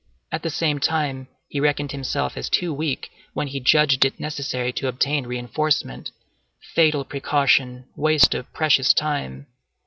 At the same time, he reckoned himself as too weak, when he judged it necessary to obtain reinforcement. Fatal precaution, waste of precious time!